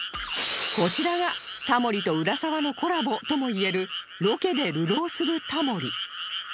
こちらがタモリと浦沢のコラボともいえるロケで流浪するタモリ